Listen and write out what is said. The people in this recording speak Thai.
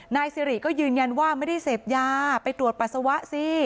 นายสิริก็ยืนยันว่าไม่ได้เสพยาไปตรวจปัสสาวะสิ